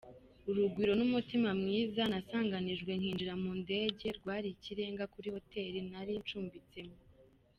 Urugwiro n’umutima mwiza nasanganijwe nkinjira mu ndege rwari ikirenga kuri hoteli nari ncumbitsemo.